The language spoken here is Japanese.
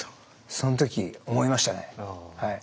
その時思いましたね。